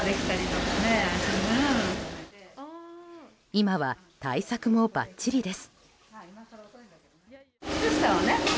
今は、対策もばっちりです。